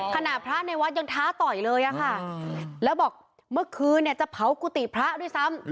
ขณะพระในวัดยังท้าต่อยเลยค่ะแล้วบอกเมื่อคืนเนี่ยจะเผากุฏิพระด้วยซ้ำ